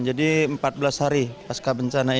jadi empat belas hari pasca bencana ini